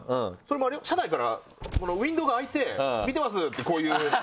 車内からウインドーが開いて「見てます」ってこういう。